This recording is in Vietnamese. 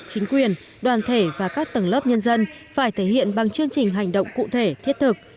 chính quyền đoàn thể và các tầng lớp nhân dân phải thể hiện bằng chương trình hành động cụ thể thiết thực